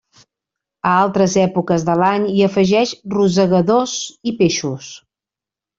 A altres èpoques de l'any hi afegeix rosegadors i peixos.